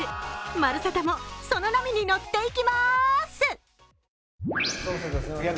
「まるサタ」もその波に乗っていきまーす。